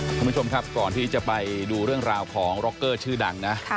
คุณผู้ชมครับก่อนที่จะไปดูเรื่องราวของร็อกเกอร์ชื่อดังนะ